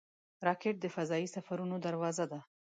راکټ د فضايي سفرونو دروازه ده